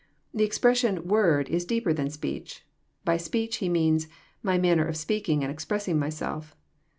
The expression " word "is deeper than speech." By speech," He means My manner of speaking and expressing Myself."